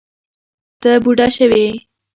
ته بوډه شوې